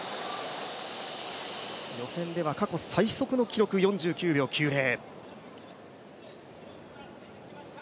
予選では過去最速の４９秒９０。